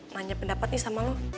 nanya pendapat nih sama lo